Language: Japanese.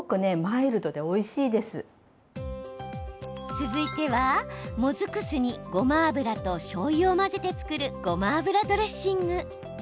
続いては、もずく酢にごま油としょうゆを混ぜて作るごま油ドレッシング。